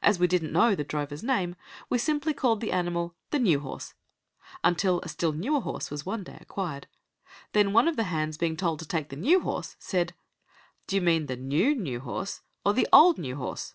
As we didn't know the drover's name, we simply called the animal "The new horse" until a still newer horse was one day acquired. Then, one of the hands being told to take the new horse, said, "D'yer mean the new new horse or the old new horse?"